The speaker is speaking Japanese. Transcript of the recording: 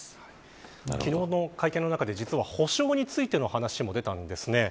昨日の会見の中で実は補償についての話も出たんですね